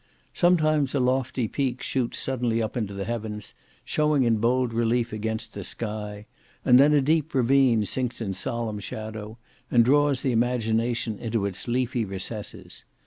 Sometimes a lofty peak shoots suddenly up into the heavens, showing in bold relief against the sky; and then a deep ravine sinks in solemn shadow, and draws the imagination into its leafy recesses.